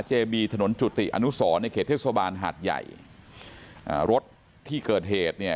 เบบีถนนจุติอนุสรในเขตเทศบาลหาดใหญ่อ่ารถที่เกิดเหตุเนี่ย